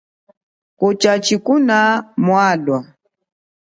Ocha tshikuna mwalwa.